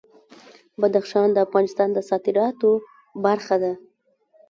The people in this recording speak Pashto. بدخشان د افغانستان د صادراتو برخه ده.